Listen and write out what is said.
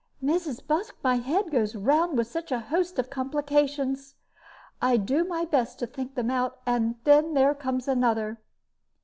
"Mrs. Busk, my head goes round with such a host of complications. I do my best to think them out and then there comes another!"